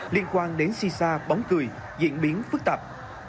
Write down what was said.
liên quan đến si sa bóng cười diễn biến phức tạp